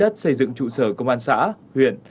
trụ sở công an xã huyện